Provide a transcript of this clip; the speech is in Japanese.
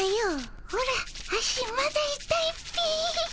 オラ足まだいたいっピィ。